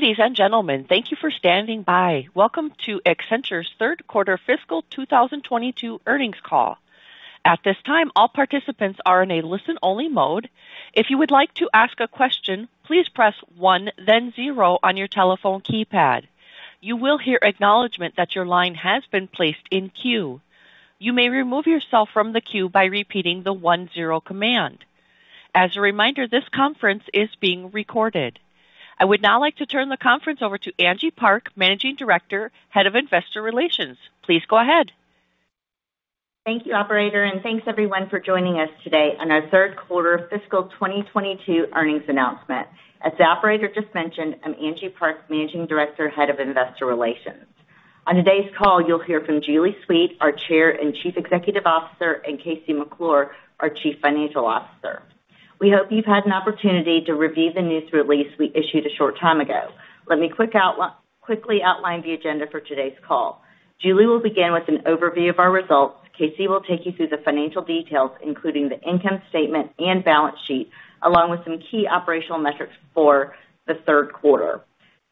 Ladies and gentlemen, thank you for standing by. Welcome to Accenture's Q3 fiscal 2022 earnings call. At this time, all participants are in a listen-only mode. If you would like to ask a question, please press one, then zero on your telephone keypad. You will hear acknowledgment that your line has been placed in queue. You may remove yourself from the queue by repeating the one zero command. As a reminder, this conference is being recorded. I would now like to turn the conference over to Angie Park, Managing Director, Head of Investor Relations. Please go ahead. Thank you, operator, and thanks everyone for joining us today on our Q3 fiscal 2022 earnings announcement. As the operator just mentioned, I'm Angie Park, Managing Director, Head of Investor Relations. On today's call, you'll hear from Julie Sweet, our Chair and Chief Executive Officer, and KC McClure, our Chief Financial Officer. We hope you've had an opportunity to review the news release we issued a short time ago. Let me quickly outline the agenda for today's call. Julie will begin with an overview of our results. KC will take you through the financial details, including the income statement and balance sheet, along with some key operational metrics for the Q3.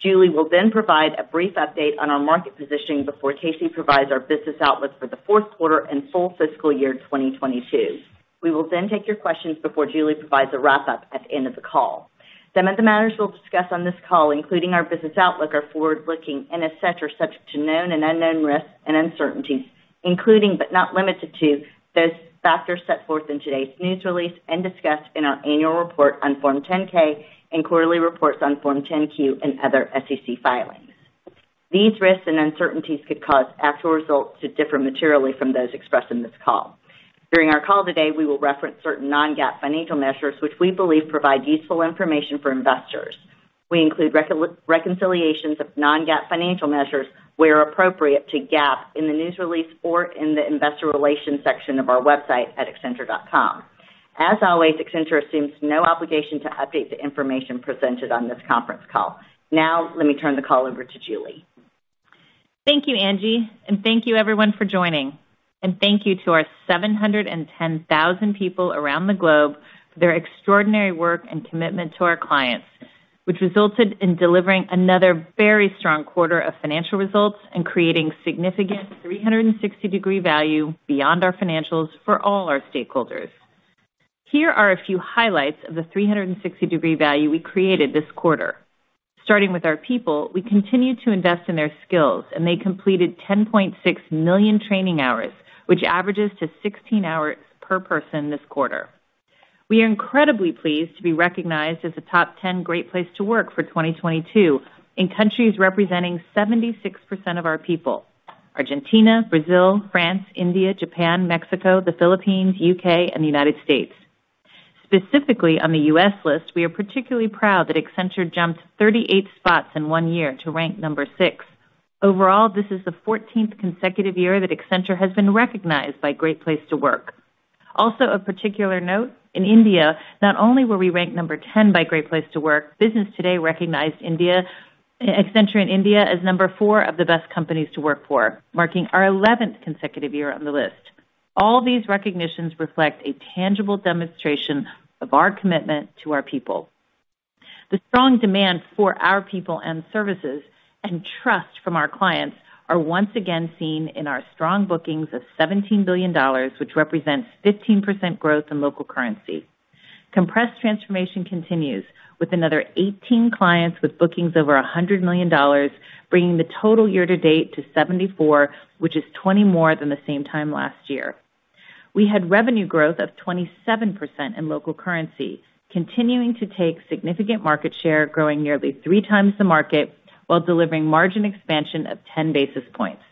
Julie will then provide a brief update on our market positioning before KC provides our business outlook for the Q4 and full FY 2022. We will then take your questions before Julie provides a wrap-up at the end of the call. Some of the matters we'll discuss on this call, including our business outlook, are forward-looking and et cetera, subject to known and unknown risks and uncertainties, including, but not limited to, those factors set forth in today's news release and discussed in our annual report on Form 10-K and quarterly reports on Form 10-Q and other SEC filings. These risks and uncertainties could cause actual results to differ materially from those expressed in this call. During our call today, we will reference certain non-GAAP financial measures which we believe provide useful information for investors. We include reconciliations of non-GAAP financial measures where appropriate to GAAP in the news release or in the investor relations section of our website at accenture.com. As always, Accenture assumes no obligation to update the information presented on this conference call. Now, let me turn the call over to Julie. Thank you, Angie. Thank you everyone for joining. Thank you to our 710,000 people around the globe for their extraordinary work and commitment to our clients, which resulted in delivering another very strong quarter of financial results and creating significant 360-degree value beyond our financials for all our stakeholders. Here are a few highlights of the 360-degree value we created this quarter. Starting with our people, we continued to invest in their skills, and they completed 10.6 million training hours, which averages to 16 hours per person this quarter. We are incredibly pleased to be recognized as a top 10 Great Place to Work for 2022 in countries representing 76% of our people. Argentina, Brazil, France, India, Japan, Mexico, the Philippines, U.K., and the United States. Specifically, on the US list, we are particularly proud that Accenture jumped 38 spots in one year to rank number six. Overall, this is the 14th consecutive year that Accenture has been recognized by Great Place to Work. Also of particular note, in India, not only were we ranked number 10 by Great Place to Work, Business Today recognized Accenture in India as number four of the best companies to work for, marking our 11th consecutive year on the list. All these recognitions reflect a tangible demonstration of our commitment to our people. The strong demand for our people and services and trust from our clients are once again seen in our strong bookings of $17 billion, which represents 15% growth in local currency. Compressed transformation continues, with another 18 clients with bookings over $100 million, bringing the total year to date to 74, which is 20 more than the same time last year. We had revenue growth of 27% in local currency, continuing to take significant market share, growing nearly 3x the market, while delivering margin expansion of 10 basis points.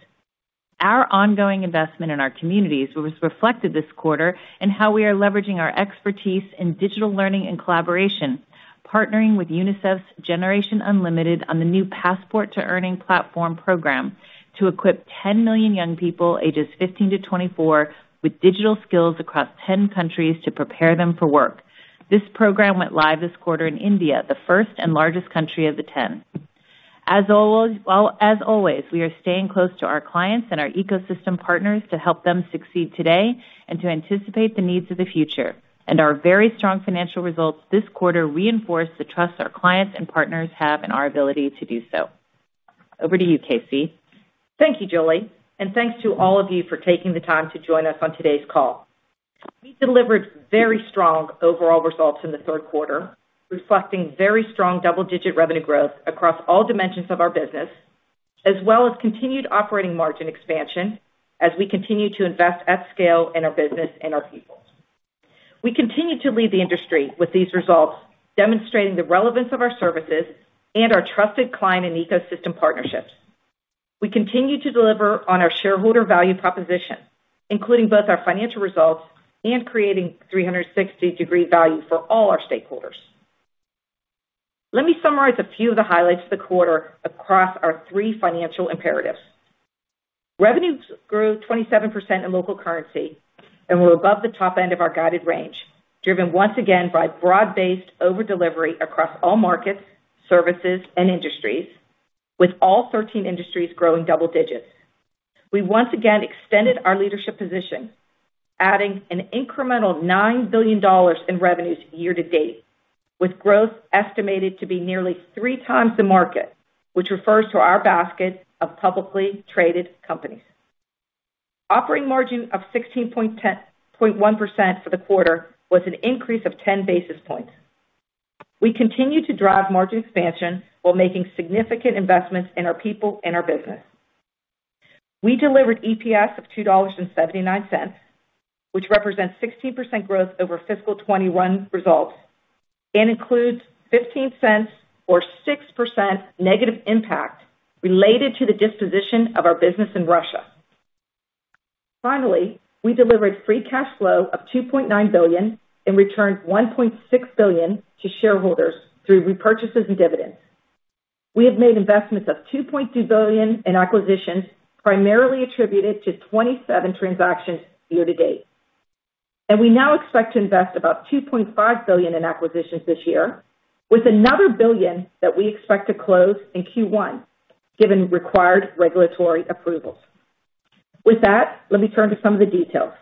Our ongoing investment in our communities was reflected this quarter in how we are leveraging our expertise in digital learning and collaboration, partnering with UNICEF's Generation Unlimited on the new Passport to Earning platform program to equip 10 million young people ages 15 to 24 with digital skills across 10 countries to prepare them for work. This program went live this quarter in India, the first and largest country of the 10. As always, we are staying close to our clients and our ecosystem partners to help them succeed today and to anticipate the needs of the future. Our very strong financial results this quarter reinforce the trust our clients and partners have in our ability to do so. Over to you, KC. Thank you, Julie. Thanks to all of you for taking the time to join us on today's call. We delivered very strong overall results in the Q3, reflecting very strong double-digit revenue growth across all dimensions of our business, as well as continued operating margin expansion as we continue to invest at scale in our business and our people. We continue to lead the industry with these results, demonstrating the relevance of our services and our trusted client and ecosystem partnerships. We continue to deliver on our shareholder value proposition, including both our financial results and creating 360-degree value for all our stakeholders. Let me summarize a few of the highlights of the quarter across our three financial imperatives. Revenues grew 27% in local currency and were above the top end of our guided range, driven once again by broad-based over delivery across all markets, services, and industries, with all 13 industries growing double digits. We once again extended our leadership position, adding an incremental $9 billion in revenues year to date, with growth estimated to be nearly 3x the market, which refers to our basket of publicly traded companies. Operating margin of 16.1% for the quarter was an increase of 10 basis points. We continue to drive margin expansion while making significant investments in our people and our business. We delivered EPS of $2.79, which represents 16% growth over fiscal 2021 results and includes $0.15 or 6% negative impact related to the disposition of our business in Russia. Finally, we delivered free cash flow of $2.9 billion and returned $1.6 billion to shareholders through repurchases and dividends. We have made investments of $2.2 billion in acquisitions, primarily attributed to 27 transactions year to date. We now expect to invest about $2.5 billion in acquisitions this year, with another $1 billion that we expect to close in Q1 given required regulatory approvals. With that, let me turn to some of the details.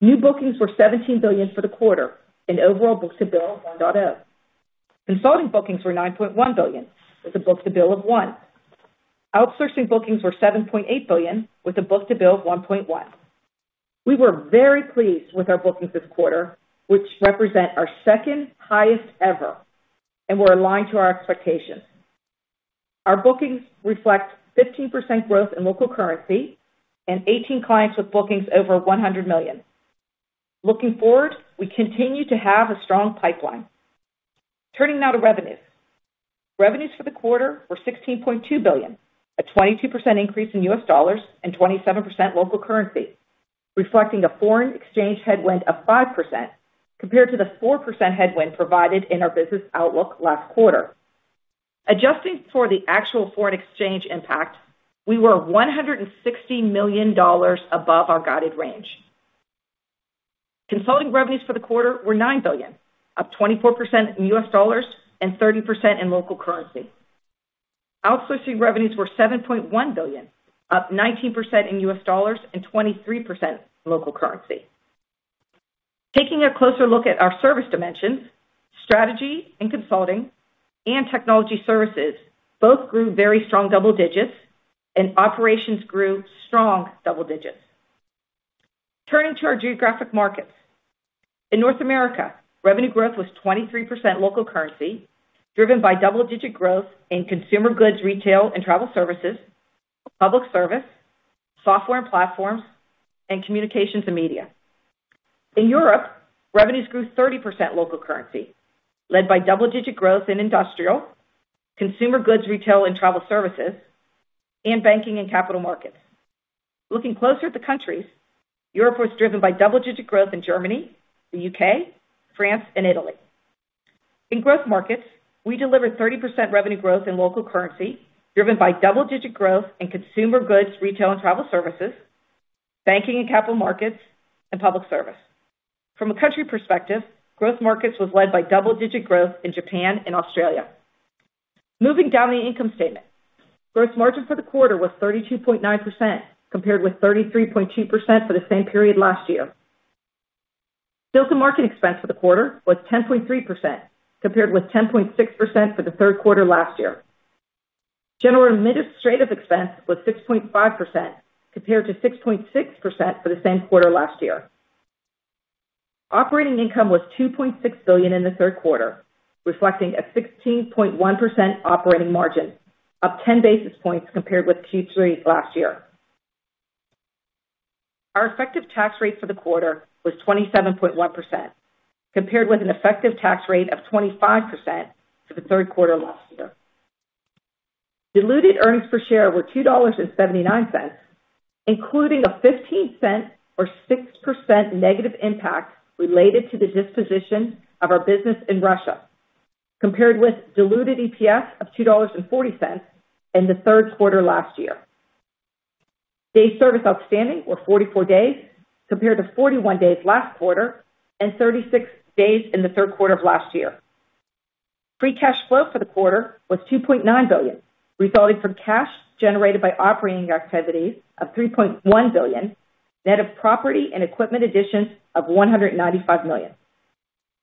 New bookings were $17 billion for the quarter and overall book-to-bill of uncertain. Consulting bookings were $9.1 billion, with a book-to-bill of one. Outsourcing bookings were $7.8 billion, with a book-to-bill of 1.1. We were very pleased with our bookings this quarter, which represent our second-highest ever and were aligned to our expectations. Our bookings reflect 15% growth in local currency and 18 clients with bookings over $100 million. Looking forward, we continue to have a strong pipeline. Turning now to revenues. Revenues for the quarter were $16.2 billion, a 22% increase in USD and 27% local currency, reflecting a foreign exchange headwind of 5% compared to the 4% headwind provided in our business outlook last quarter. Adjusting for the actual foreign exchange impact, we were $160 million above our guided range. Consulting revenues for the quarter were $9 billion, up 24% in USD and 30% in local currency. Outsourcing revenues were $7.1 billion, up 19% in USD and 23% in local currency. Taking a closer look at our service dimensions, strategy and consulting and technology services both grew very strong double digits, and operations grew strong double digits. Turning to our geographic markets. In North America, revenue growth was 23% local currency, driven by double-digit growth in consumer goods, retail and travel services, public service, software and platforms, and communications and media. In Europe, revenues grew 30% local currency, led by double-digit growth in industrial, consumer goods, retail and travel services, and banking and capital markets. Looking closer at the countries, Europe was driven by double-digit growth in Germany, the U.K., France and Italy. In growth markets, we delivered 30% revenue growth in local currency, driven by double-digit growth in consumer goods, retail and travel services, banking and capital markets, and public service. From a country perspective, growth markets was led by double-digit growth in Japan and Australia. Moving down the income statement. Gross margin for the quarter was 32.9%, compared with 33.2% for the same period last year. Sales and marketing expense for the quarter was 10.3%, compared with 10.6% for the Q3 last year. General and administrative expense was 6.5%, compared to 6.6% for the same quarter last year. Operating income was $2.6 billion in the Q3, reflecting a 16.1% operating margin, up 10 basis points compared with Q3 last year. Our effective tax rate for the quarter was 27.1%, compared with an effective tax rate of 25% for the Q3 last year. Diluted earnings per share were $2.79, including a $0.15 or 6% negative impact related to the disposition of our business in Russia, compared with diluted EPS of $2.40 in the Q3 last year. DSO were 44 days, compared to 41 days last quarter and 36 days in the Q3 of last year. Free cash flow for the quarter was $2.9 billion, resulting from cash generated by operating activities of $3.1 billion, net of property and equipment additions of $195 million.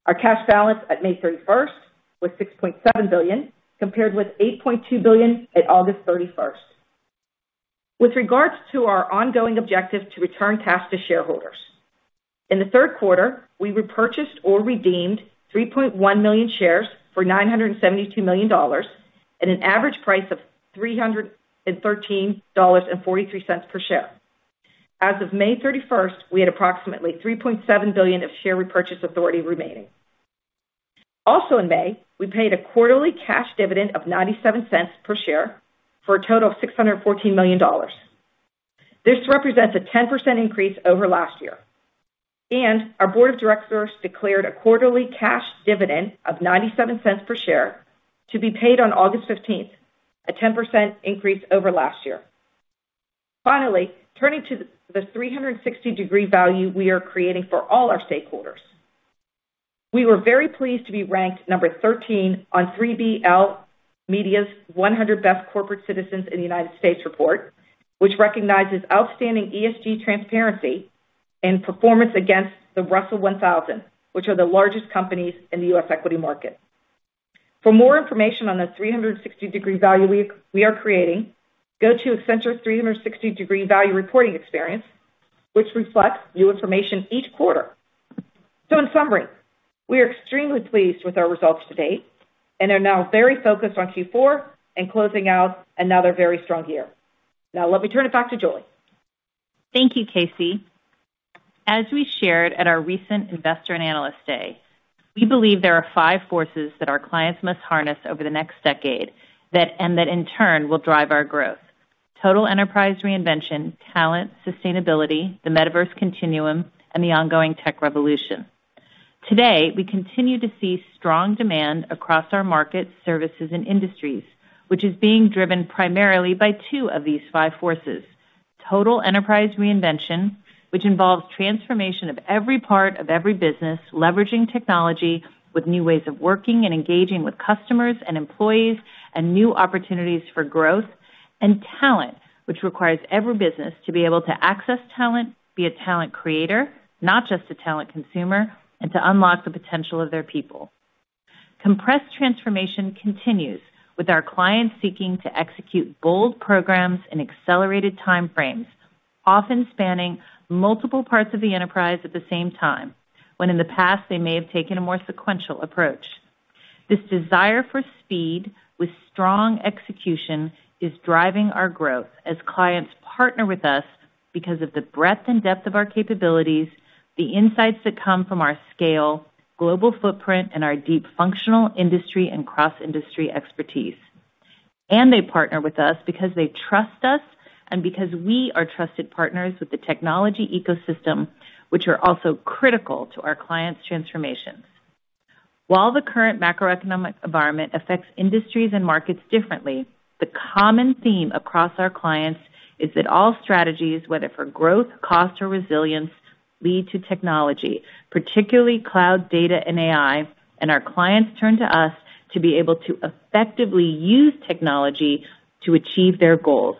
Our cash balance at May 31st was $6.7 billion, compared with $8.2 billion at August 31st. With regards to our ongoing objective to return cash to shareholders, in the Q3, we repurchased or redeemed 3.1 million shares for $972 million at an average price of $313.43 per share. As of May 31st, we had approximately $3.7 billion of share repurchase authority remaining. Also in May, we paid a quarterly cash dividend of $0.97 per share for a total of $614 million. This represents a 10% increase over last year. Our board of directors declared a quarterly cash dividend of $0.97 per share to be paid on August 15th, a 10% increase over last year. Finally, turning to the 360-degree value we are creating for all our stakeholders. We were very pleased to be ranked number 13 on 3BL Media's 100 Best Corporate Citizens in the United States report, which recognizes outstanding ESG transparency and performance against the Russell 1000, which are the largest companies in the U.S. equity market. For more information on the 360-degree value we are creating, go to Accenture's 360-degree value reporting experience, which reflects new information each quarter. In summary, we are extremely pleased with our results to date and are now very focused on Q4 and closing out another very strong year. Now let me turn it back to Julie. Thank you, KC. As we shared at our recent investor and analyst day, we believe there are five forces that our clients must harness over the next decade that in turn will drive our growth. Total enterprise reinvention, talent, sustainability, the Metaverse Continuum, and the ongoing tech revolution. Today, we continue to see strong demand across our markets, services and industries, which is being driven primarily by two of these five forces. Total enterprise reinvention, which involves transformation of every part of every business, leveraging technology with new ways of working and engaging with customers and employees, and new opportunities for growth and talent, which requires every business to be able to access talent, be a talent creator, not just a talent consumer, and to unlock the potential of their people. Compressed transformation continues, with our clients seeking to execute bold programs in accelerated time frames, often spanning multiple parts of the enterprise at the same time, when in the past they may have taken a more sequential approach. This desire for speed with strong execution is driving our growth as clients partner with us because of the breadth and depth of our capabilities, the insights that come from our scale, global footprint and our deep functional industry and cross-industry expertise. They partner with us because they trust us and because we are trusted partners with the technology ecosystem, which are also critical to our clients' transformations. While the current macroeconomic environment affects industries and markets differently, the common theme across our clients is that all strategies, whether for growth, cost or resilience, lead to technology, particularly cloud data and AI, and our clients turn to us to be able to effectively use technology to achieve their goals.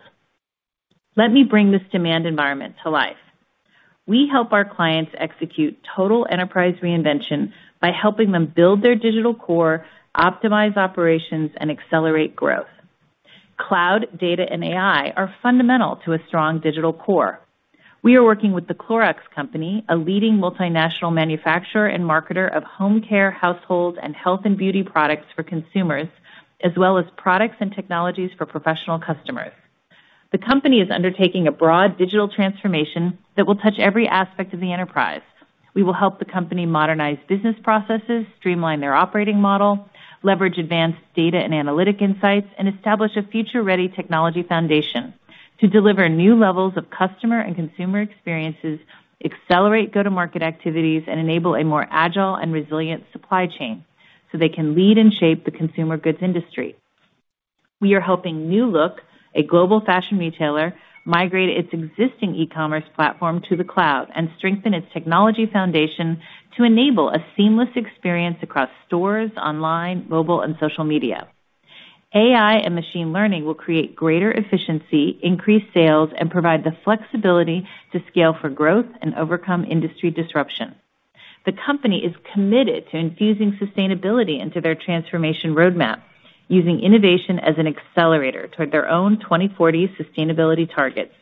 Let me bring this demand environment to life. We help our clients execute total enterprise reinvention by helping them build their digital core, optimize operations and accelerate growth. Cloud data and AI are fundamental to a strong digital core. We are working with The Clorox Company, a leading multinational manufacturer and marketer of home care, household and health and beauty products for consumers, as well as products and technologies for professional customers. The company is undertaking a broad digital transformation that will touch every aspect of the enterprise. We will help the company modernize business processes, streamline their operating model, leverage advanced data and analytic insights, and establish a future-ready technology foundation to deliver new levels of customer and consumer experiences, accelerate go-to-market activities, and enable a more agile and resilient supply chain, so they can lead and shape the consumer goods industry. We are helping New Look, a global fashion retailer, migrate its existing e-commerce platform to the cloud and strengthen its technology foundation to enable a seamless experience across stores, online, mobile and social media. AI and machine learning will create greater efficiency, increase sales, and provide the flexibility to scale for growth and overcome industry disruption. The company is committed to infusing sustainability into their transformation roadmap, using innovation as an accelerator toward their own 2040 sustainability targets,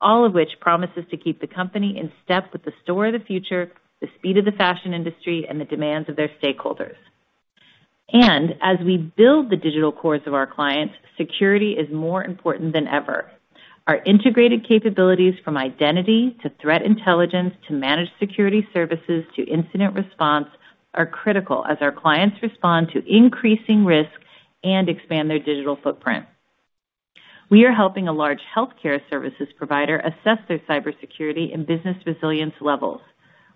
all of which promises to keep the company in step with the store of the future, the speed of the fashion industry, and the demands of their stakeholders. As we build the digital cores of our clients, security is more important than ever. Our integrated capabilities, from identity to threat intelligence to managed security services to incident response, are critical as our clients respond to increasing risks and expand their digital footprint. We are helping a large healthcare services provider assess their cybersecurity and business resilience levels.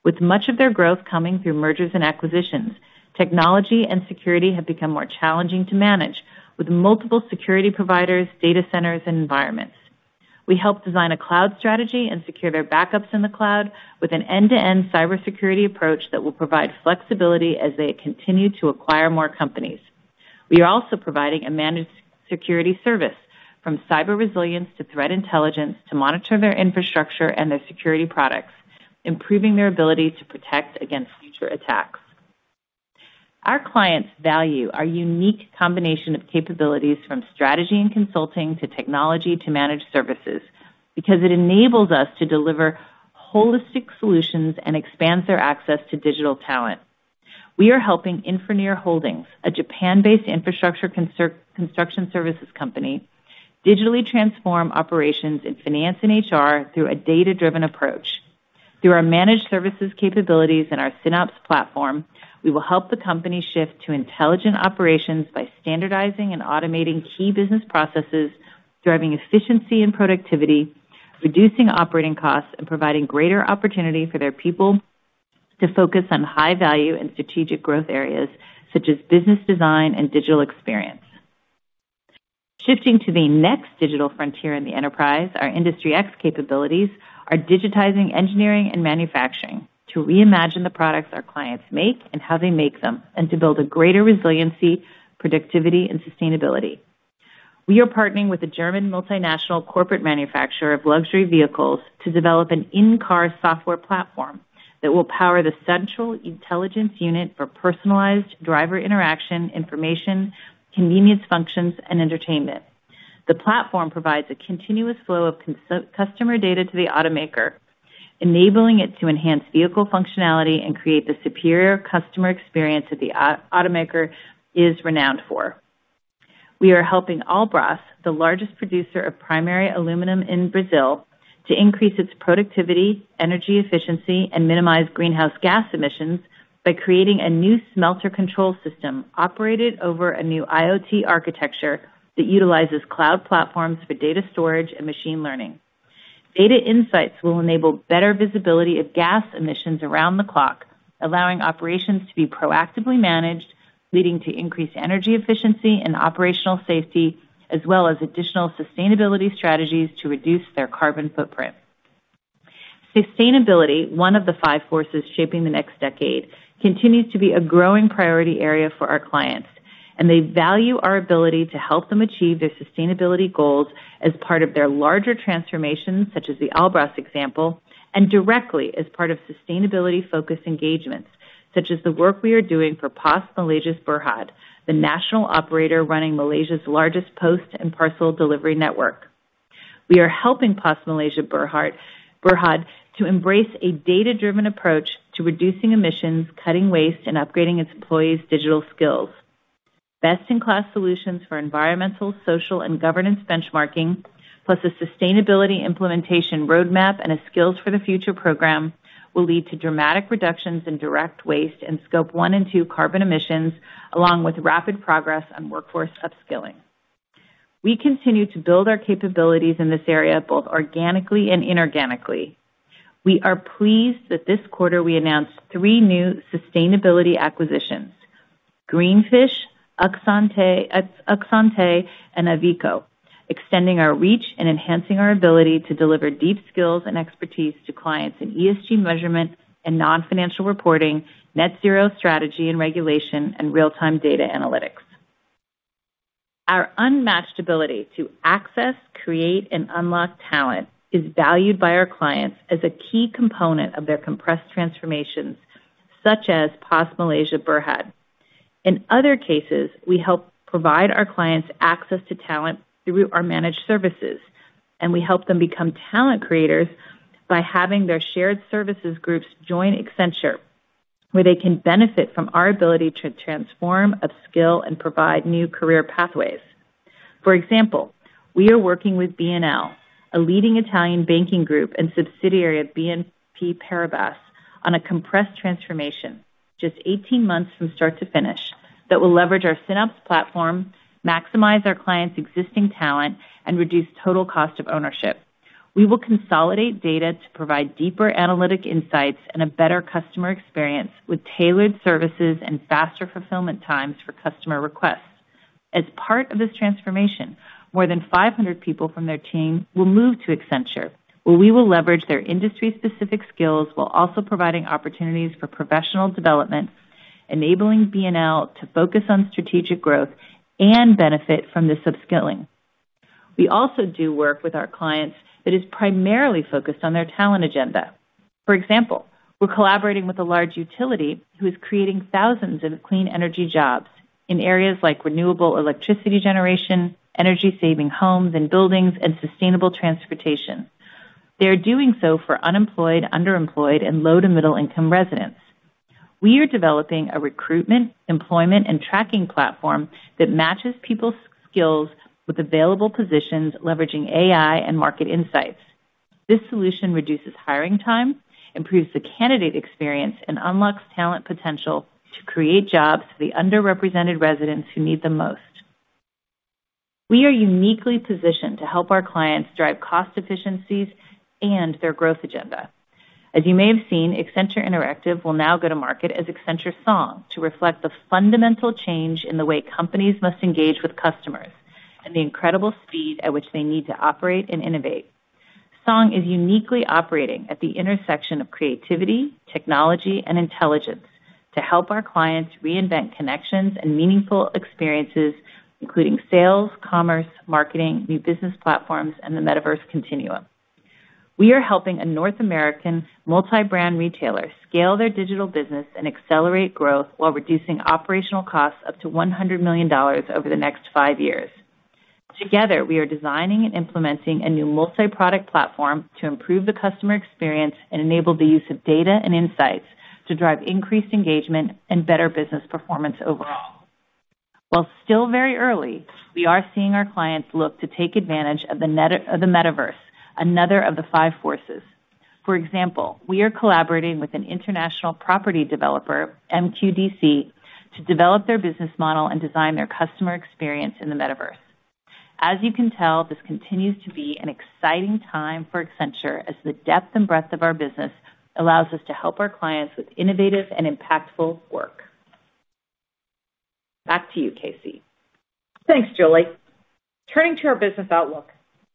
With much of their growth coming through mergers and acquisitions, technology and security have become more challenging to manage with multiple security providers, data centers and environments. We help design a cloud strategy and secure their backups in the cloud with an end-to-end cybersecurity approach that will provide flexibility as they continue to acquire more companies. We are also providing a managed security service from cyber resilience to threat intelligence to monitor their infrastructure and their security products, improving their ability to protect against future attacks. Our clients value our unique combination of capabilities from strategy and consulting to technology to managed services because it enables us to deliver holistic solutions and expands their access to digital talent. We are helping Infroneer Holdings, a Japan-based infrastructure construction services company, digitally transform operations in finance and HR through a data-driven approach. Through our managed services capabilities and our SynOps platform, we will help the company shift to intelligent operations by standardizing and automating key business processes, driving efficiency and productivity, reducing operating costs, and providing greater opportunity for their people to focus on high value and strategic growth areas such as business design and digital experience. Shifting to the next digital frontier in the enterprise, our Industry X capabilities are digitizing engineering and manufacturing to reimagine the products our clients make and how they make them, and to build a greater resiliency, productivity, and sustainability. We are partnering with a German multinational corporate manufacturer of luxury vehicles to develop an in-car software platform that will power the central intelligence unit for personalized driver interaction, information, convenience functions, and entertainment. The platform provides a continuous flow of customer data to the automaker, enabling it to enhance vehicle functionality and create the superior customer experience that the automaker is renowned for. We are helping Albras, the largest producer of primary aluminum in Brazil, to increase its productivity, energy efficiency, and minimize greenhouse gas emissions by creating a new smelter control system operated over a new IoT architecture that utilizes cloud platforms for data storage and machine learning. Data insights will enable better visibility of gas emissions around the clock, allowing operations to be proactively managed, leading to increased energy efficiency and operational safety, as well as additional sustainability strategies to reduce their carbon footprint. Sustainability, one of the five forces shaping the next decade, continues to be a growing priority area for our clients, and they value our ability to help them achieve their sustainability goals as part of their larger transformations, such as the Albras example, and directly as part of sustainability-focused engagements, such as the work we are doing for Pos Malaysia Berhad, the national operator running Malaysia's largest post and parcel delivery network. We are helping Pos Malaysia Berhad to embrace a data-driven approach to reducing emissions, cutting waste, and upgrading its employees' digital skills. Best-in-class solutions for environmental, social, and governance benchmarking, plus a sustainability implementation roadmap and a Skills for the Future program will lead to dramatic reductions in direct waste and scope one and two carbon emissions along with rapid progress on workforce upskilling. We continue to build our capabilities in this area, both organically and inorganically. We are pleased that this quarter we announced three new sustainability acquisitions, Greenfish, akzente, and Avieco, extending our reach and enhancing our ability to deliver deep skills and expertise to clients in ESG measurement and non-financial reporting, net zero strategy and regulation, and real-time data analytics. Our unmatched ability to access, create, and unlock talent is valued by our clients as a key component of their compressed transformations, such as Pos Malaysia Berhad. In other cases, we help provide our clients access to talent through our managed services, and we help them become talent creators by having their shared services groups join Accenture, where they can benefit from our ability to transform, upskill, and provide new career pathways. For example, we are working with BNL, a leading Italian banking group and subsidiary of BNP Paribas, on a compressed transformation, just 18 months from start to finish that will leverage our SynOps platform, maximize our clients' existing talent, and reduce total cost of ownership. We will consolidate data to provide deeper analytic insights and a better customer experience with tailored services and faster fulfillment times for customer requests. As part of this transformation, more than 500 people from their team will move to Accenture, where we will leverage their industry-specific skills while also providing opportunities for professional development, enabling BNL to focus on strategic growth and benefit from this upskilling. We also do work with our clients that is primarily focused on their talent agenda. For example, we're collaborating with a large utility who is creating thousands of clean energy jobs in areas like renewable electricity generation, energy-saving homes and buildings, and sustainable transportation. They are doing so for unemployed, underemployed, and low- to middle-income residents. We are developing a recruitment, employment, and tracking platform that matches people's skills with available positions, leveraging AI and market insights. This solution reduces hiring time, improves the candidate experience, and unlocks talent potential to create jobs for the underrepresented residents who need the most. We are uniquely positioned to help our clients drive cost efficiencies and their growth agenda. As you may have seen, Accenture Interactive will now go to market as Accenture Song to reflect the fundamental change in the way companies must engage with customers and the incredible speed at which they need to operate and innovate. Song is uniquely operating at the intersection of creativity, technology, and intelligence to help our clients reinvent connections and meaningful experiences, including sales, commerce, marketing, new business platforms, and the Metaverse Continuum. We are helping a North American multi-brand retailer scale their digital business and accelerate growth while reducing operational costs up to $100 million over the next five years. Together, we are designing and implementing a new multi-product platform to improve the customer experience and enable the use of data and insights to drive increased engagement and better business performance overall. While still very early, we are seeing our clients look to take advantage of the metaverse, another of the five forces. For example, we are collaborating with an international property developer, MQDC, to develop their business model and design their customer experience in the metaverse. As you can tell, this continues to be an exciting time for Accenture as the depth and breadth of our business allows us to help our clients with innovative and impactful work. Back to you, KC. Thanks, Julie. Turning to our business outlook.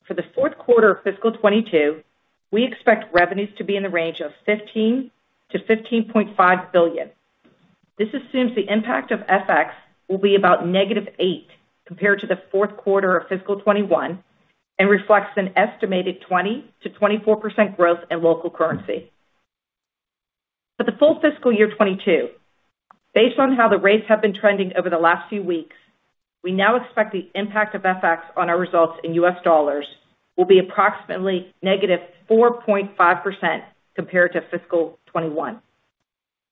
For the Q4 of fiscal 2022, we expect revenues to be in the range of $15-$15.5 billion. This assumes the impact of FX will be about -8% compared to the Q4 of fiscal 2022 and reflects an estimated 20%-24% growth in local currency. For the full FY 2022, based on how the rates have been trending over the last few weeks, we now expect the impact of FX on our results in US dollars will be approximately -4.5% compared to fiscal 2021.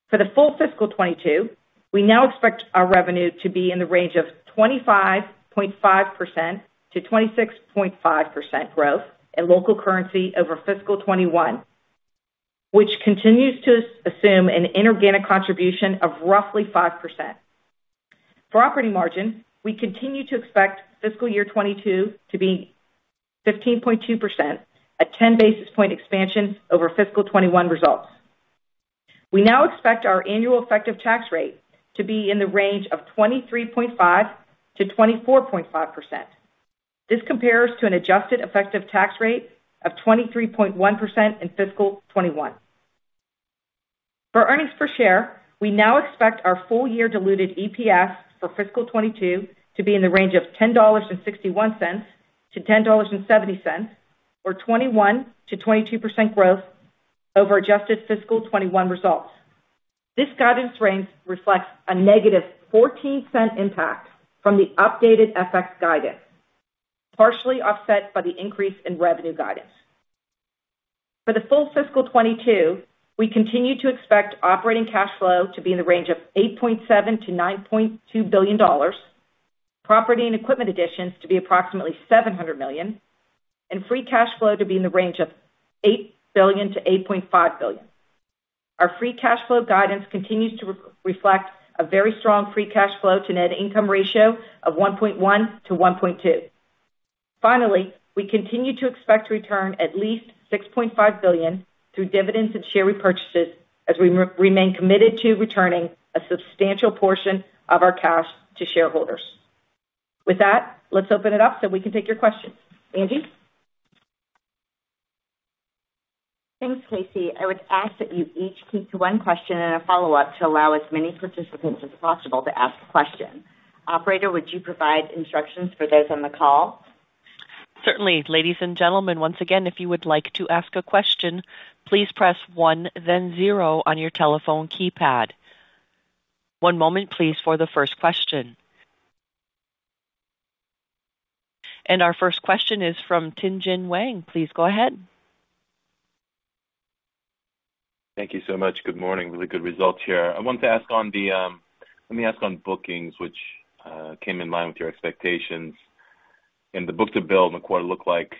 For the full FY 2022, we now expect our revenue to be in the range of 25.5%-26.5% growth in local currency over fiscal 2021, which continues to assume an inorganic contribution of roughly 5%. For operating margin, we continue to expect FY 2022 to be 15.2%, a 10 basis point expansion over fiscal 2021 results. We now expect our annual effective tax rate to be in the range of 23.5%-24.5%. This compares to an adjusted effective tax rate of 23.1% in fiscal 2021. For earnings per share, we now expect our full year diluted EPS for fiscal 2022 to be in the range of $10.61-$10.70, or 21%-22% growth over adjusted fiscal 2021 results. This guidance range reflects a negative $0.14 impact from the updated FX guidance, partially offset by the increase in revenue guidance. For the full fiscal 2022, we continue to expect operating cash flow to be in the range of $8.7 billion-$9.2 billion, property and equipment additions to be approximately $700 million, and free cash flow to be in the range of $8 billion-$8.5 billion. Our free cash flow guidance continues to reflect a very strong free cash flow to net income ratio of 1.1-1.2. Finally, we continue to expect to return at least $6.5 billion through dividends and share repurchases as we remain committed to returning a substantial portion of our cash to shareholders. With that, let's open it up so we can take your questions. Angie? Thanks, KC. I would ask that you each keep to one question and a follow-up to allow as many participants as possible to ask a question. Operator, would you provide instructions for those on the call? Certainly. Ladies and gentlemen, once again, if you would like to ask a question, please press one then zero on your telephone keypad. One moment please for the first question. Our first question is from Tien-Tsin Huang. Please go ahead. Thank you so much. Good morning. Really good results here. I want to ask on the. Let me ask on bookings, which came in line with your expectations. In the book-to-bill, the quarter looked like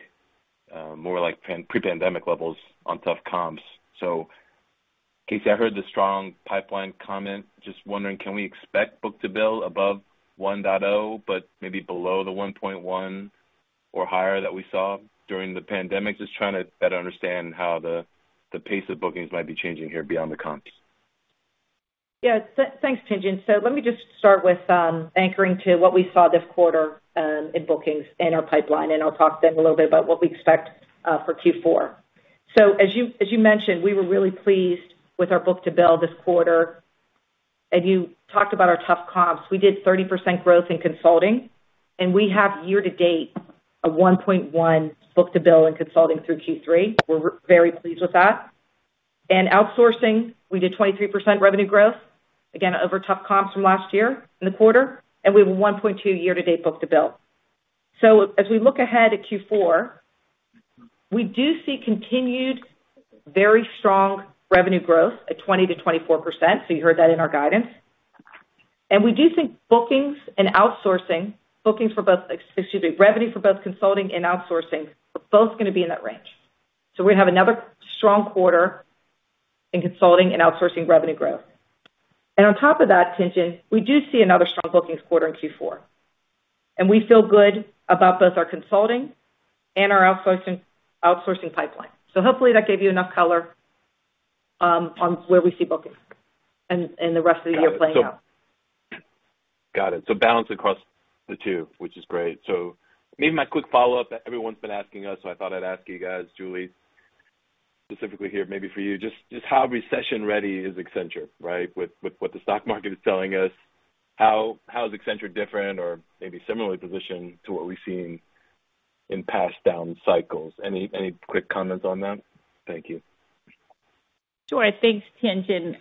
more like pre-pandemic levels on tough comps. KC, I heard the strong pipeline comment. Just wondering, can we expect book-to-bill above 1.0, but maybe below the 1.1 or higher that we saw during the pandemic? Just trying to better understand how the pace of bookings might be changing here beyond the comps. Yeah. Thanks, Tien-Tsin. Let me just start with anchoring to what we saw this quarter in bookings and our pipeline, and I'll talk then a little bit about what we expect for Q4. As you mentioned, we were really pleased with our book-to-bill this quarter. You talked about our tough comps. We did 30% growth in consulting, and we have year-to-date a 1.1 book-to-bill in consulting through Q3. We're very pleased with that. In outsourcing, we did 23% revenue growth, again, over tough comps from last year in the quarter, and we have a 1.2 year-to-date book-to-bill. As we look ahead at Q4, we do see continued very strong revenue growth at 20%-24%. You heard that in our guidance. We do think bookings and outsourcing, bookings for both. Excuse me, revenue for both consulting and outsourcing are both gonna be in that range. We're gonna have another strong quarter in consulting and outsourcing revenue growth. On top of that, Tien-Tsin Huang, we do see another strong bookings quarter in Q4. We feel good about both our consulting and our outsourcing pipeline. Hopefully that gave you enough color on where we see bookings and the rest of the year playing out. Got it. Balance across the two, which is great. Maybe my quick follow-up that everyone's been asking us, so I thought I'd ask you guys, Julie, specifically here maybe for you, just how recession-ready is Accenture, right? With what the stock market is telling us, how is Accenture different or maybe similarly positioned to what we've seen in past down cycles? Any quick comments on that? Thank you. Sure. Thanks, Tien-Tsin.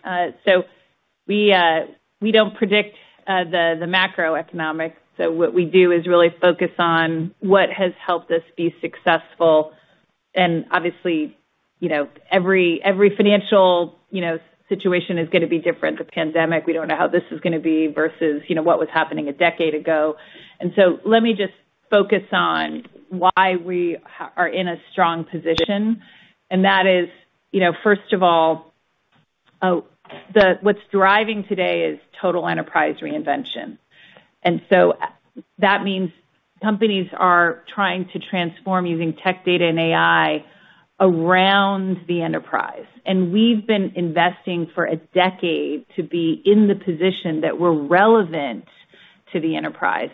We don't predict the macroeconomic. What we do is really focus on what has helped us be successful. Obviously, you know, every financial, you know, situation is gonna be different. The pandemic, we don't know how this is gonna be versus, you know, what was happening a decade ago. Let me just focus on why we are in a strong position, and that is, you know, first of all, what's driving today is total enterprise reinvention. That means companies are trying to transform using tech, data, and AI around the enterprise. We've been investing for a decade to be in the position that we're relevant to the enterprise.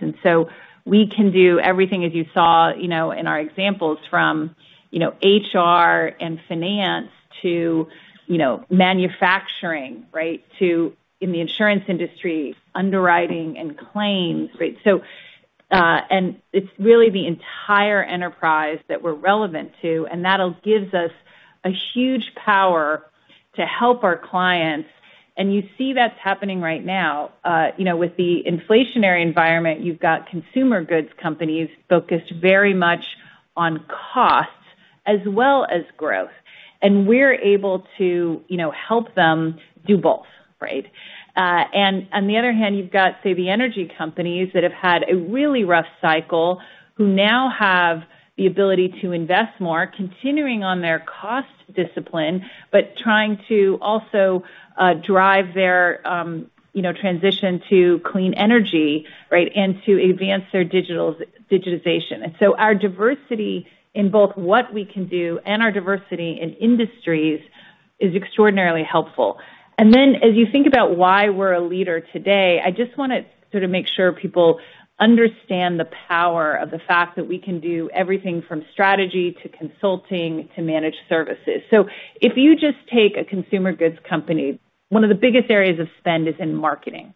We can do everything as you saw, you know, in our examples from, you know, HR and finance to, you know, manufacturing, right, to, in the insurance industry, underwriting and claims, right. It's really the entire enterprise that we're relevant to, and that'll gives us a huge power to help our clients. You see that's happening right now. You know, with the inflationary environment, you've got consumer goods companies focused very much on cost as well as growth. We're able to, you know, help them do both, right. On the other hand, you've got, say, the energy companies that have had a really rough cycle, who now have the ability to invest more, continuing on their cost discipline, but trying to also drive their, you know, transition to clean energy, right, and to advance their digitization. Our diversity in both what we can do and our diversity in industries is extraordinarily helpful. As you think about why we're a leader today, I just wanna sort of make sure people understand the power of the fact that we can do everything from strategy to consulting to managed services. If you just take a consumer goods company, one of the biggest areas of spend is in marketing.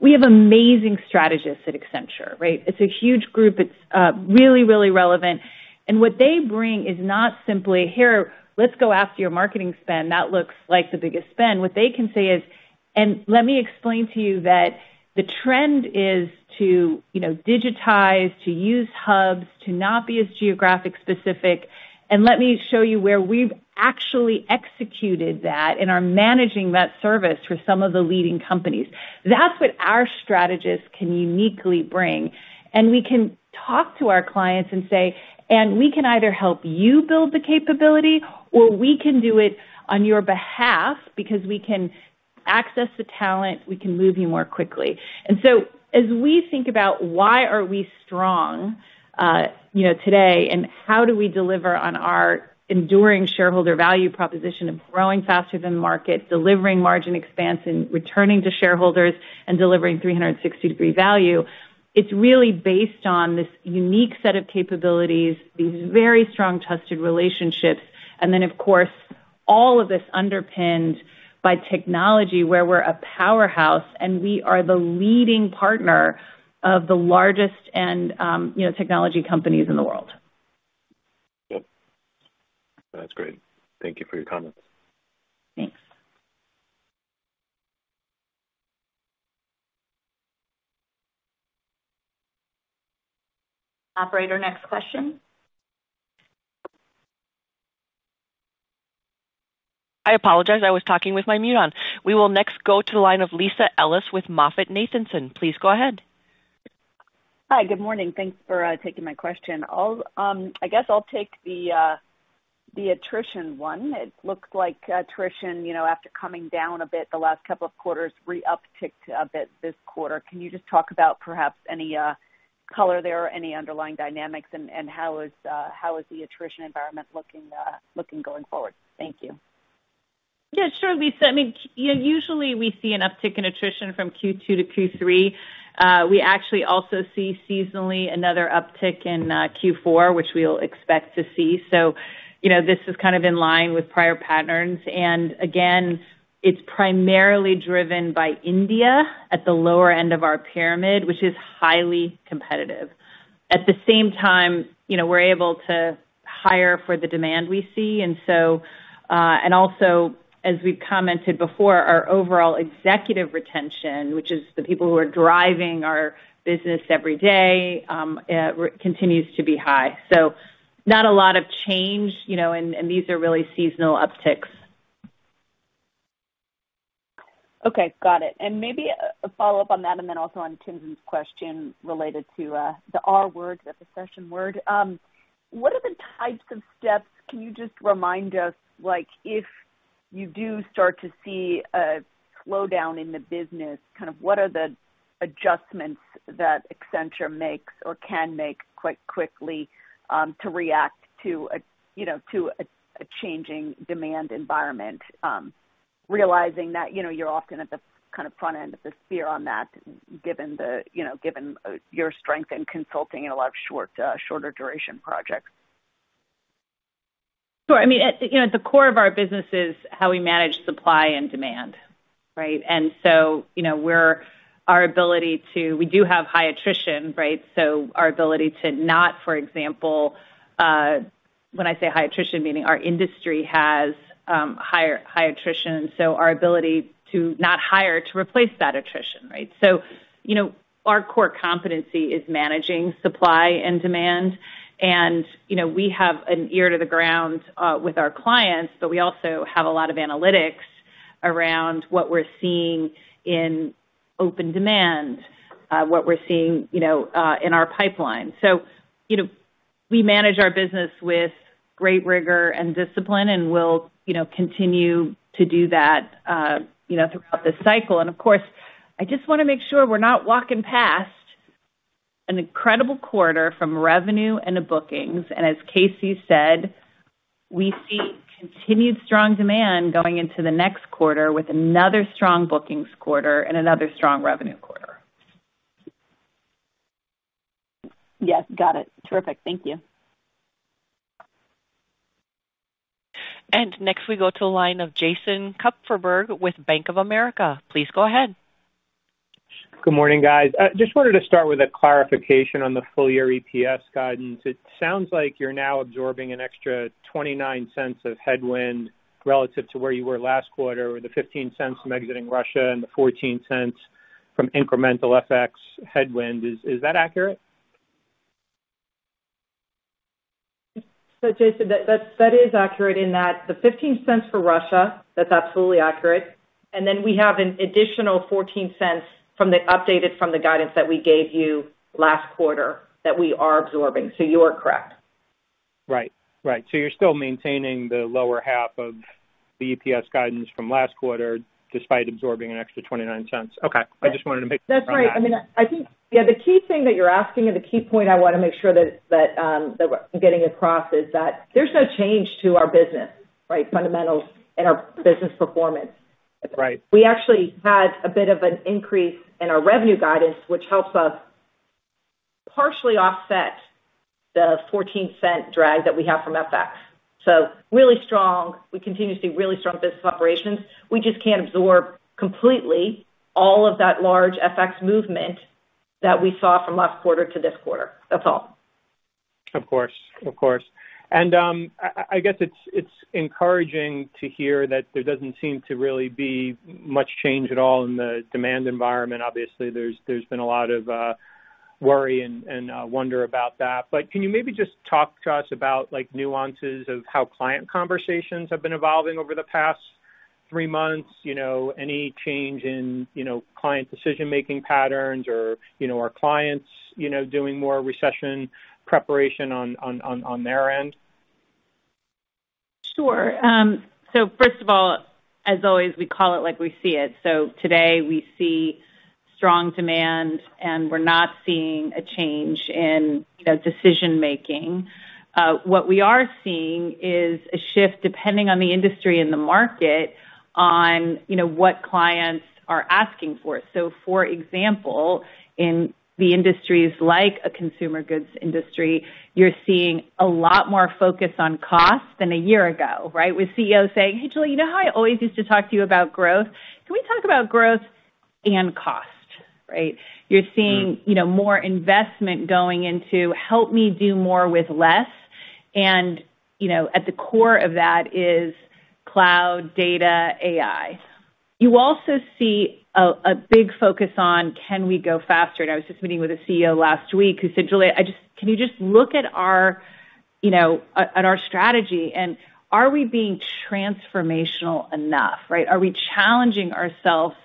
We have amazing strategists at Accenture, right? It's a huge group. It's really, really relevant. What they bring is not simply, "Here, let's go after your marketing spend. That looks like the biggest spend." What they can say is, "And let me explain to you that the trend is to, you know, digitize, to use hubs, to not be as geographic-specific. Let me show you where we've actually executed that and are managing that service for some of the leading companies. That's what our strategists can uniquely bring. We can talk to our clients and say, "We can either help you build the capability or we can do it on your behalf because we can access the talent, we can move you more quickly." As we think about why we are strong, you know, today and how we deliver on our enduring shareholder value proposition of growing faster than market, delivering margin expansion and returning to shareholders and delivering 360-degree value, it's really based on this unique set of capabilities, these very strong trusted relationships, and then, of course, all of this underpinned by technology where we're a powerhouse and we are the leading partner of the largest and, you know, technology companies in the world. Yep. That's great. Thank you for your comments. Thanks. Operator, next question. I apologize. I was talking with my mute on. We will next go to the line of Lisa Ellis with MoffettNathanson. Please go ahead. Hi, good morning. Thanks for taking my question. I'll, I guess I'll take the attrition one. It looks like attrition, you know, after coming down a bit the last couple of quarters re-upticked a bit this quarter. Can you just talk about perhaps any color there or any underlying dynamics and how is the attrition environment looking going forward? Thank you. Yeah, sure, Lisa. I mean, you know, usually we see an uptick in attrition from Q2 to Q3. We actually also see seasonally another uptick in Q4, which we'll expect to see. You know, this is kind of in line with prior patterns. Again, it's primarily driven by India at the lower end of our pyramid, which is highly competitive. At the same time, you know, we're able to hire for the demand we see. And so, and also, as we commented before, our overall executive retention, which is the people who are driving our business every day, continues to be high. Not a lot of change, you know, and these are really seasonal upticks. Okay. Got it. Maybe a follow-up on that, and then also on Tsins' question related to the R word, the recession word. What are the types of steps can you just remind us, like if you do start to see a slowdown in the business, kind of what are the adjustments that Accenture makes or can make quite quickly, to react to a, you know, changing demand environment, realizing that, you know, you're often at the kind of front end of the spear on that given the, you know, given your strength in consulting in a lot of shorter duration projects? Sure. I mean, you know, at the core of our business is how we manage supply and demand, right? We do have high attrition, right? Our ability to not, for example, when I say high attrition, meaning our industry has high attrition, so our ability to not hire to replace that attrition, right? You know, our core competency is managing supply and demand. You know, we have an ear to the ground with our clients, but we also have a lot of analytics around what we're seeing in open demand, what we're seeing, you know, in our pipeline. You know, we manage our business with great rigor and discipline, and we'll, you know, continue to do that, you know, throughout this cycle. Of course, I just wanna make sure we're not walking past an incredible quarter from revenue and the bookings. As KC said, we see continued strong demand going into the next quarter with another strong bookings quarter and another strong revenue quarter. Yes. Got it. Terrific. Thank you. Next, we go to the line of Jason Kupferberg with Bank of America. Please go ahead. Good morning, guys. I just wanted to start with a clarification on the full-year EPS guidance. It sounds like you're now absorbing an extra $0.29 of headwind relative to where you were last quarter, with the $0.15 from exiting Russia and the $0.14 from incremental FX headwind. Is that accurate? Jason, that is accurate in that the $0.15 for Russia, that's absolutely accurate. Then we have an additional $0.14 from the updated guidance that we gave you last quarter that we are absorbing. You are correct. Right. You're still maintaining the lower half of the EPS guidance from last quarter despite absorbing an extra $0.29. Okay. I just wanted to make sure on that. That's right. I mean, I think. Yeah, the key thing that you're asking or the key point I wanna make sure that that we're getting across is that there's no change to our business, right? Fundamentals and our business performance. Right. We actually had a bit of an increase in our revenue guidance, which helps us partially offset the $0.14 drag that we have from FX. Really strong. We continue to see really strong business operations. We just can't absorb completely all of that large FX movement that we saw from last quarter to this quarter. That's all. Of course. Of course. I guess it's encouraging to hear that there doesn't seem to really be much change at all in the demand environment. Obviously, there's been a lot of worry and wonder about that. Can you maybe just talk to us about like nuances of how client conversations have been evolving over the past three months? You know, any change in, you know, client decision-making patterns or, you know, are clients, you know, doing more recession preparation on their end? Sure. First of all, as always, we call it like we see it. Today, we see strong demand, and we're not seeing a change in, you know, decision-making. What we are seeing is a shift, depending on the industry and the market, on, you know, what clients are asking for. For example, in the industries like a consumer goods industry, you're seeing a lot more focus on cost than a year ago, right? With CEOs saying, "Hey, Julie, you know how I always used to talk to you about growth? Can we talk about growth and cost?" Right? You're seeing. Mm-hmm. You know, more investment going into help me do more with less. You know, at the core of that is cloud, data, AI. You also see a big focus on can we go faster? I was just meeting with a CEO last week who said, "Julie, can you just look at our, you know, at our strategy and are we being transformational enough?" Right? Are we challenging ourselves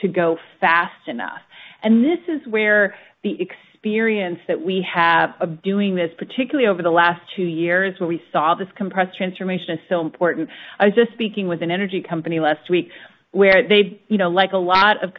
to go fast enough? This is where the experience that we have of doing this, particularly over the last two years, where we saw this compressed transformation, is so important. I was just speaking with an energy company last week where they, you know, like a lot of,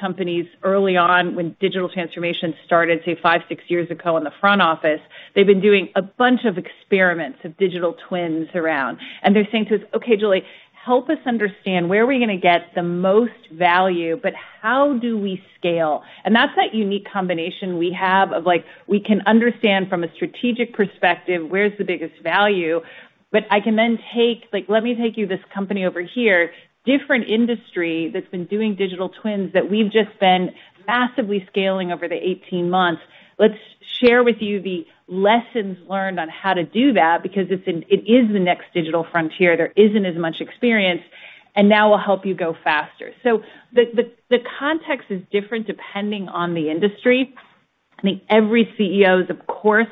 companies early on when digital transformation started, say five, six years ago in the front office, they've been doing a bunch of experiments of digital twins around. They're saying to us, "Okay, Julie, help us understand where are we gonna get the most value, but how do we scale?" That's that unique combination we have of like, we can understand from a strategic perspective where's the biggest value, but I can then take. Like, let me take you this company over here, different industry that's been doing digital twins that we've just been massively scaling over the 18 months. Let's share with you the lessons learned on how to do that because it is the next digital frontier. There isn't as much experience, and now we'll help you go faster. The context is different depending on the industry. I think every CEO is of course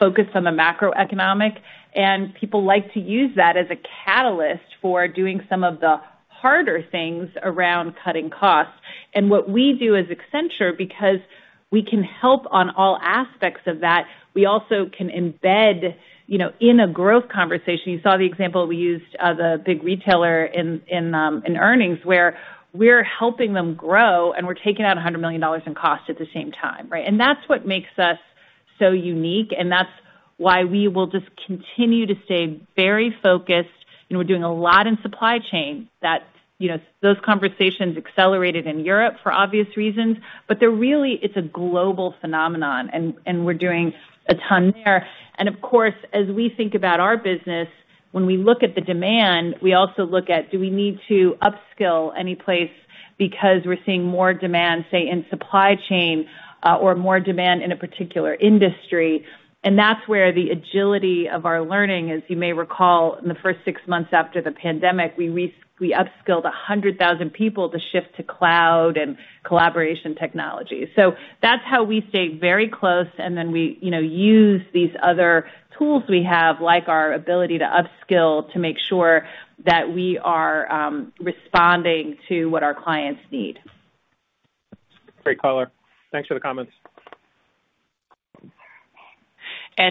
focused on the macroeconomic, and people like to use that as a catalyst for doing some of the harder things around cutting costs. What we do as Accenture, because we can help on all aspects of that, we also can embed, you know, in a growth conversation. You saw the example we used of a big retailer in earnings where we're helping them grow and we're taking out $100 million in cost at the same time, right? That's what makes us so unique, and that's why we will just continue to stay very focused. You know, we're doing a lot in supply chain that, you know, those conversations accelerated in Europe for obvious reasons. They're really, it's a global phenomenon and we're doing a ton there. Of course, as we think about our business, when we look at the demand, we also look at do we need to upskill any place because we're seeing more demand, say, in supply chain, or more demand in a particular industry. That's where the agility of our learning, as you may recall, in the first six months after the pandemic, we upskilled 100,000 people to shift to cloud and collaboration technology. That's how we stay very close, and then we, you know, use these other tools we have, like our ability to upskill, to make sure that we are responding to what our clients need. Great call. Thanks for the comments.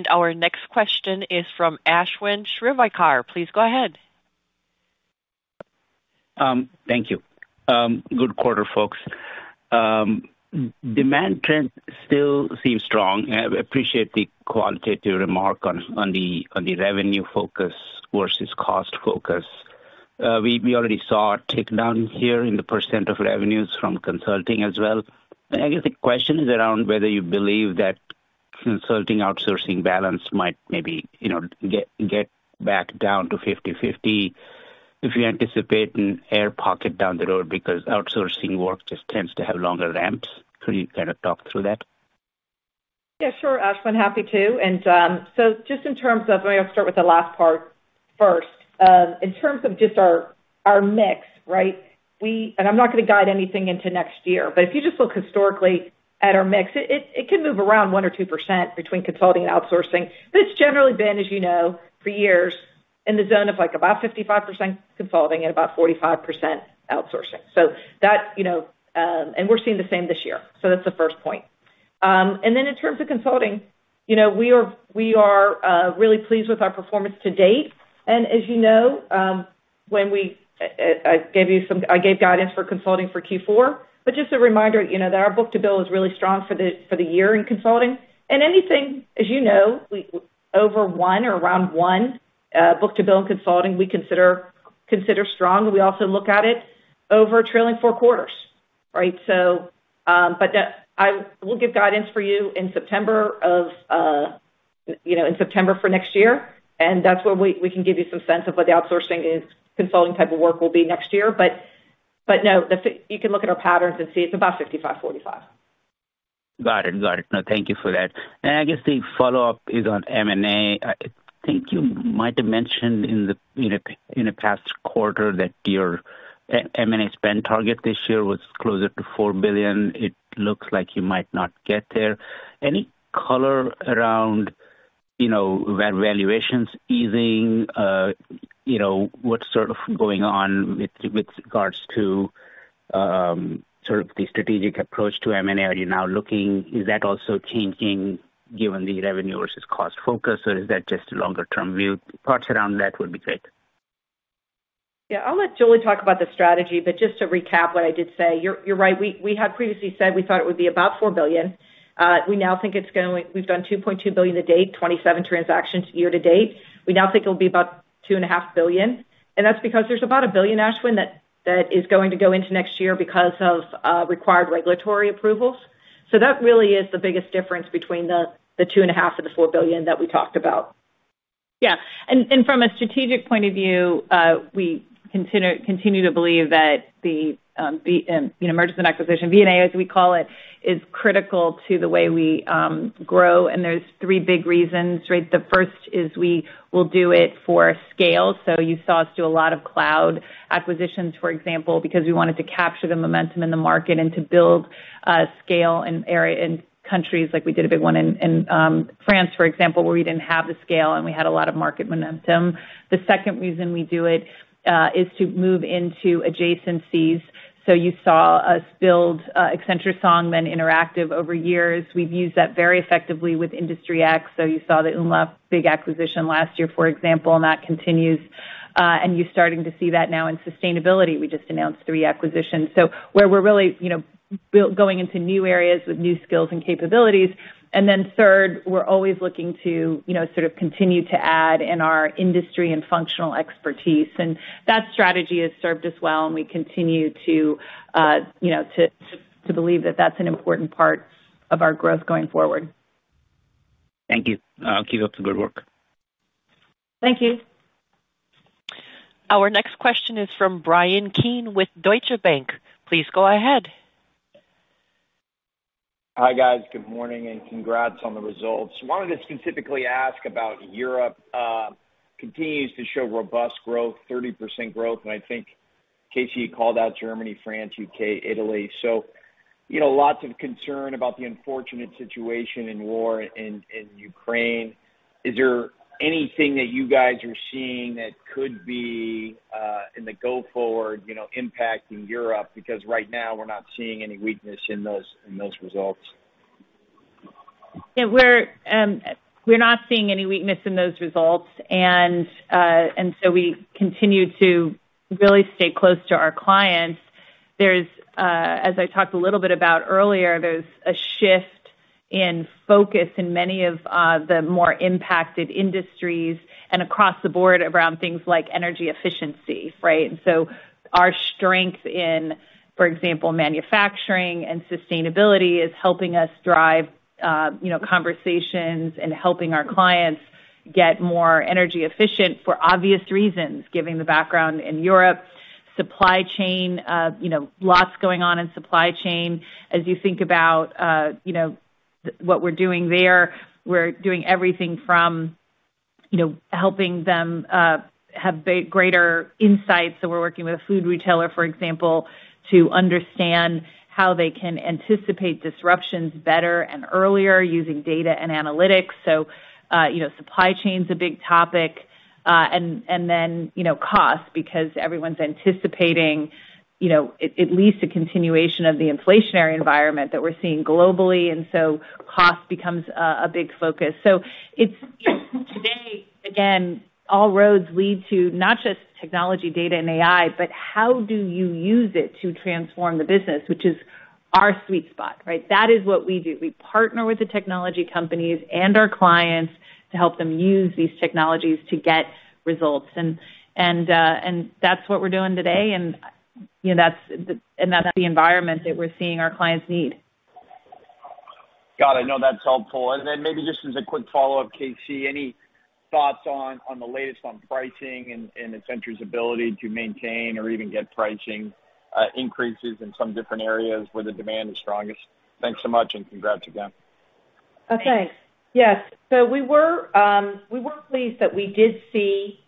Our next question is from Ashwin Shirvaikar. Please go ahead. Thank you. Good quarter, folks. Demand trend still seems strong. I appreciate the quantitative remark on the revenue focus versus cost focus. We already saw a tick-down here in the percent of revenues from consulting as well. I guess the question is around whether you believe that consulting outsourcing balance might maybe, you know, get back down to 50/50, if you anticipate an air pocket down the road because outsourcing work just tends to have longer ramps. Could you kind of talk through that? Yeah, sure, Ashwin, happy to. I'll start with the last part first. In terms of just our mix, right? I'm not gonna guide anything into next year, but if you just look historically at our mix, it can move around 1% or 2% between consulting and outsourcing. It's generally been, as you know, for years in the zone of, like, about 55% consulting and about 45% outsourcing. That's, you know, and we're seeing the same this year. That's the first point. In terms of consulting, you know, we are really pleased with our performance to date. As you know, I gave guidance for consulting for Q4. Just a reminder, you know, that our book-to-bill is really strong for the year in consulting. Anything, as you know, over one or around one book-to-bill in consulting we consider strong. We also look at it over trailing four quarters, right? We'll give guidance for you in September for next year, and that's where we can give you some sense of what the outsourcing is, consulting type of work will be next year. No, you can look at our patterns and see it's about 55/45. Got it. No, thank you for that. I guess the follow-up is on M&A. I think you might have mentioned in a past quarter that your M&A spend target this year was closer to $4 billion. It looks like you might not get there. Any color around, you know, valuations easing, you know, what's sort of going on with regards to the strategic approach to M&A? Are you now looking? Is that also changing given the revenue versus cost focus, or is that just a longer term view? Thoughts around that would be great. Yeah. I'll let Julie talk about the strategy, but just to recap what I did say, you're right. We had previously said we thought it would be about $4 billion. We now think we've done $2.2 billion to date, 27 transactions year to date. We now think it'll be about $2.5 billion, and that's because there's about $1 billion, Ashwin, that is going to go into next year because of required regulatory approvals. That really is the biggest difference between the $2.5 billion and the $4 billion that we talked about. From a strategic point of view, we continue to believe that, you know, mergers and acquisitions, M&A, as we call it, is critical to the way we grow. There's three big reasons, right? The first is we will do it for scale. You saw us do a lot of cloud acquisitions, for example, because we wanted to capture the momentum in the market and to build scale in areas in countries like we did a big one in France, for example, where we didn't have the scale, and we had a lot of market momentum. The second reason we do it is to move into adjacencies. You saw us build Accenture Song then Interactive over years. We've used that very effectively with Industry X. You saw the umlaut big acquisition last year, for example, and that continues. You're starting to see that now in sustainability. We just announced three acquisitions. Where we're really, you know, going into new areas with new skills and capabilities. Third, we're always looking to, you know, sort of continue to add in our industry and functional expertise. That strategy has served us well, and we continue to, you know, believe that that's an important part of our growth going forward. Thank you. Keep up the good work. Thank you. Our next question is from Bryan Keane with Deutsche Bank. Please go ahead. Hi, guys. Good morning and congrats on the results. Wanted to specifically ask about Europe, continues to show robust growth, 30% growth, and I think KC called out Germany, France, U.K., Italy. You know, lots of concern about the unfortunate situation and war in Ukraine. Is there anything that you guys are seeing that could be in the go forward, you know, impacting Europe? Because right now we're not seeing any weakness in those results. Yeah. We're not seeing any weakness in those results. We continue to really stay close to our clients. As I talked a little bit about earlier, there's a shift in focus in many of the more impacted industries and across the board around things like energy efficiency, right? Our strength in, for example, manufacturing and sustainability is helping us drive you know conversations and helping our clients get more energy efficient for obvious reasons, given the background in Europe. Supply chain you know lots going on in supply chain. As you think about you know what we're doing there, we're doing everything from you know helping them have greater insights. We're working with a food retailer, for example, to understand how they can anticipate disruptions better and earlier using data and analytics. You know, supply chain is a big topic. Then, you know, cost because everyone's anticipating, you know, at least a continuation of the inflationary environment that we're seeing globally. Cost becomes a big focus. It's today. Again, all roads lead to not just technology, data and AI, but how do you use it to transform the business, which is our sweet spot, right? That is what we do. We partner with the technology companies and our clients to help them use these technologies to get results. That's what we're doing today. You know, that's the environment that we're seeing our clients need. Got it. No, that's helpful. Then maybe just as a quick follow-up, KC, any thoughts on the latest on pricing and Accenture's ability to maintain or even get pricing increases in some different areas where the demand is strongest? Thanks so much, and congrats again. Okay. Yes. We were pleased that we did see,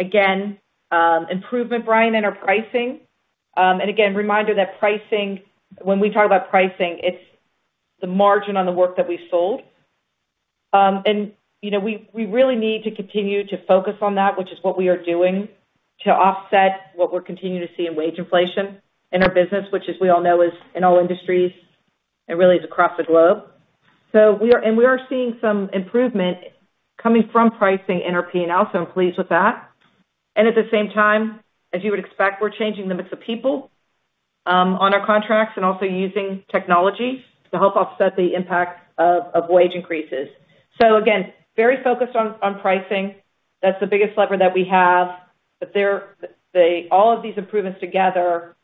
again, improvement, Bryan, in our pricing. Again, reminder that pricing, when we talk about pricing, it's the margin on the work that we sold. You know, we really need to continue to focus on that, which is what we are doing to offset what we're continuing to see in wage inflation in our business, which, as we all know, is in all industries. It really is across the globe. We are seeing some improvement coming from pricing in our P&L, so I'm pleased with that. At the same time, as you would expect, we're changing the mix of people on our contracts and also using technology to help offset the impact of wage increases. Again, very focused on pricing. That's the biggest lever that we have. All of these improvements together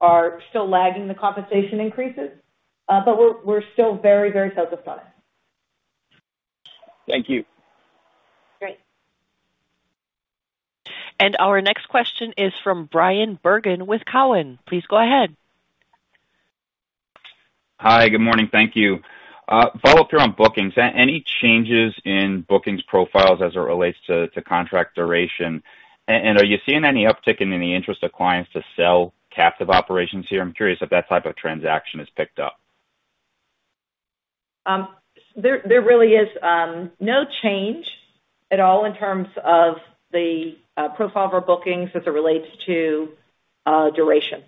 are still lagging the compensation increases. We're still very, very focused on it. Thank you. Great. Our next question is from Bryan Bergin with Cowen. Please go ahead. Hi. Good morning. Thank you. A follow-up here on bookings. Any changes in bookings profiles as it relates to contract duration? Are you seeing any uptick in any interest of clients to sell captive operations here? I'm curious if that type of transaction has picked up. There really is no change at all in terms of the profile of our bookings as it relates to duration.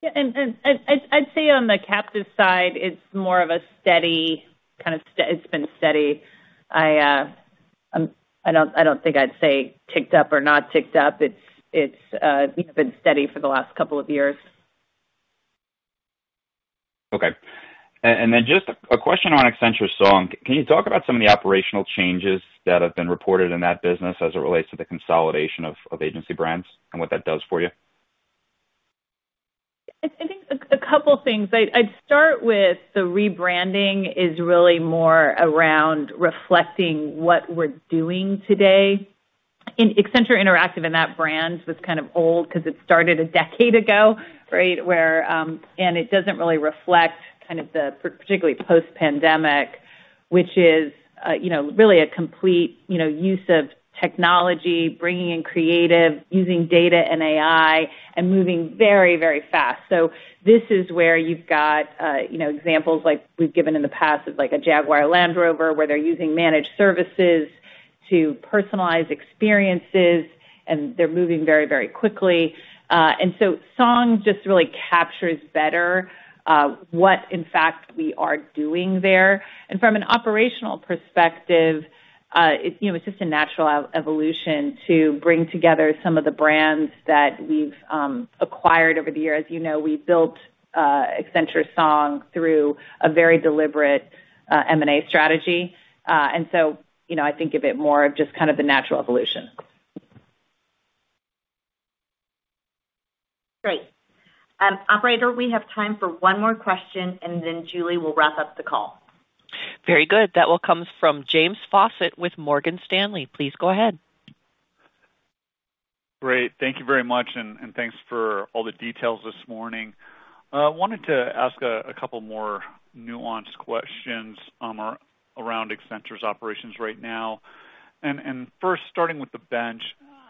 Yeah. I'd say on the captive side, it's more of a steady kind. It's been steady. I don't think I'd say ticked up or not ticked up. It's, you know, been steady for the last couple of years. Just a question on Accenture Song. Can you talk about some of the operational changes that have been reported in that business as it relates to the consolidation of agency brands and what that does for you? I think a couple things. I'd start with the rebranding is really more around reflecting what we're doing today. In Accenture Interactive and that brand was kind of old because it started a decade ago, right? And it doesn't really reflect kind of the particularly post-pandemic, which is really a complete use of technology, bringing in creative, using data and AI, and moving very, very fast. This is where you've got examples like we've given in the past of like a Jaguar Land Rover, where they're using managed services to personalize experiences, and they're moving very, very quickly. Song just really captures better what in fact we are doing there. From an operational perspective, it's, you know, it's just a natural evolution to bring together some of the brands that we've acquired over the years. As you know, we built Accenture Song through a very deliberate M&A strategy. You know, I think of it more of just kind of the natural evolution. Great. Operator, we have time for one more question, and then Julie will wrap up the call. Very good. That call comes from James Faucette with Morgan Stanley. Please go ahead. Great. Thank you very much, and thanks for all the details this morning. Wanted to ask a couple more nuanced questions, around Accenture's operations right now. First, starting with the bench,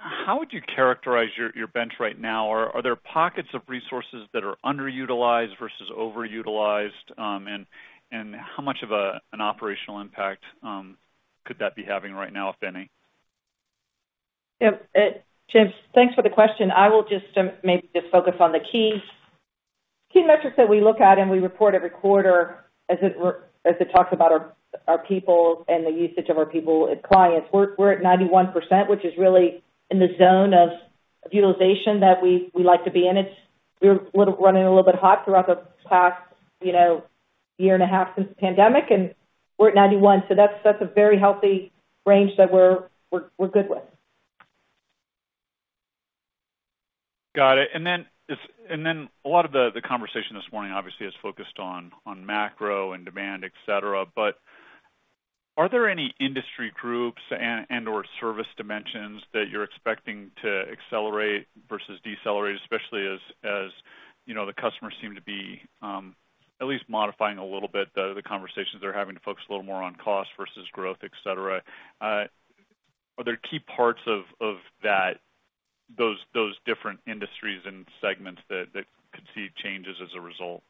how would you characterize your bench right now? Are there pockets of resources that are underutilized versus overutilized? How much of an operational impact could that be having right now, if any? Yeah, James, thanks for the question. I will just maybe just focus on the key metrics that we look at and we report every quarter as it talks about our people and the usage of our people and clients. We're at 91%, which is really in the zone of utilization that we like to be in. We're running a little bit hot throughout the past year and a half since the pandemic, and we're at 91%, so that's a very healthy range that we're good with. Got it. A lot of the conversation this morning obviously is focused on macro and demand, et cetera. Are there any industry groups and/or service dimensions that you're expecting to accelerate versus decelerate, especially as you know, the customers seem to be at least modifying a little bit the conversations they're having to focus a little more on cost versus growth, et cetera. Are there key parts of that, those different industries and segments that could see changes as a result?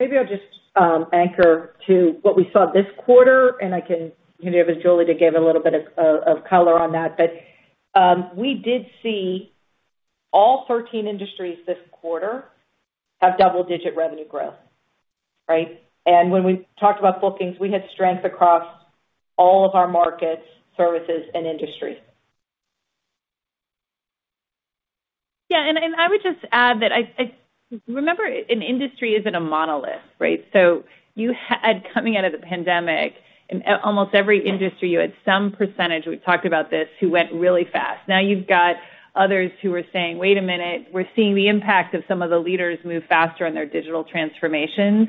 Maybe I'll just anchor to what we saw this quarter, and I can hand it over to Julie to give a little bit of color on that. We did see all 13 industries this quarter have double-digit revenue growth, right? When we talked about bookings, we had strength across all of our markets, services, and industries. Yeah. I would just add that remember, an industry isn't a monolith, right? You had, coming out of the pandemic, in almost every industry, you had some percentage, we've talked about this, who went really fast. Now you've got others who are saying, "Wait a minute. We're seeing the impact of some of the leaders move faster on their digital transformations."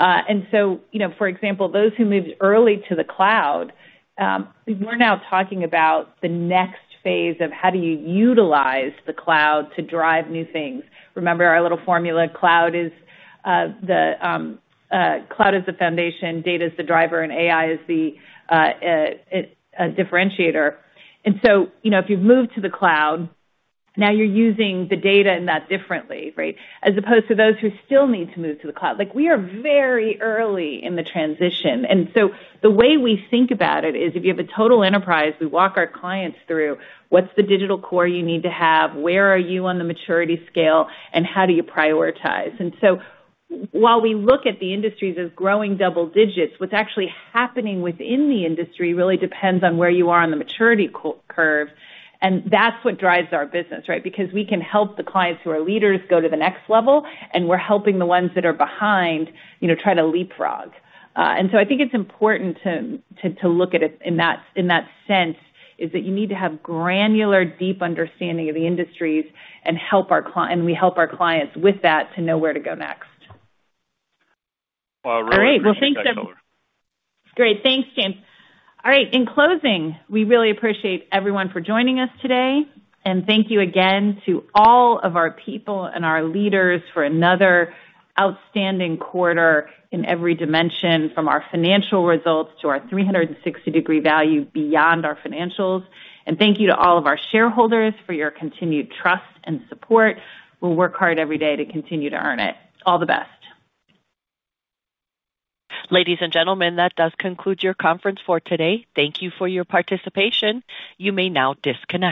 You know, for example, those who moved early to the cloud, we're now talking about the next phase of how do you utilize the cloud to drive new things. Remember our little formula, cloud is the foundation, data is the driver, and AI is the differentiator. You know, if you've moved to the cloud, now you're using the data in that differently, right? As opposed to those who still need to move to the cloud. Like, we are very early in the transition. The way we think about it is if you have a total enterprise, we walk our clients through what's the digital core you need to have, where are you on the maturity scale, and how do you prioritize? While we look at the industries as growing double digits, what's actually happening within the industry really depends on where you are on the maturity S-curve, and that's what drives our business, right? Because we can help the clients who are leaders go to the next level, and we're helping the ones that are behind, you know, try to leapfrog. I think it's important to look at it in that sense, that you need to have granular, deep understanding of the industries and we help our clients with that to know where to go next. Well, really appreciate that color. Great. Thanks, James. All right. In closing, we really appreciate everyone for joining us today. Thank you again to all of our people and our leaders for another outstanding quarter in every dimension, from our financial results to our 360-degree value beyond our financials. Thank you to all of our shareholders for your continued trust and support. We'll work hard every day to continue to earn it. All the best. Ladies and gentlemen, that does conclude your conference for today. Thank you for your participation. You may now disconnect.